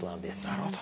なるほど。